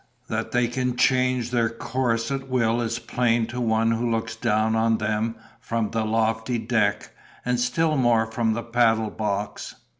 That they can change their course at will is plain to one who looks down on them from the lofty deck, and still more from the paddle box.